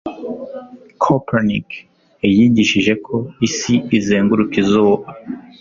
copernic yigishije ko isi izenguruka izuba